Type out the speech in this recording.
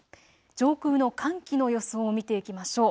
上空の寒気の予想を見ていきましょう。